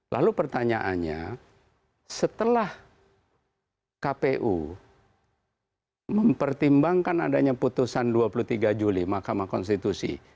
lalu pertanyaannya setelah kpu mempertimbangkan adanya putusan dua puluh tiga juli mahkamah konstitusi